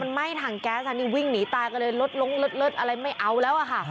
มันไหม้ถังแก๊สทางที่วิ่งหนีตายก็เลยรถลงเลิศเลิศอะไรไม่เอาไว้